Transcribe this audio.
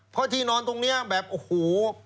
เพราะที่นอนตรงนี้แบบโอ้โห